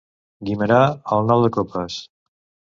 Guimerà, el nou de copes.